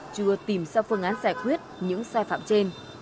chưa tìm ra phương án giải quyết những sai phạm trên